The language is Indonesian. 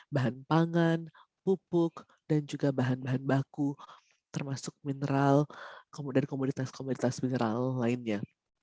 bahan pangan pupuk dan juga bahan bahan baku termasuk mineral kemudian komoditas komoditas mineral lainnya